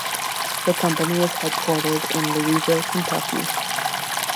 The company is headquartered in Louisville, Kentucky.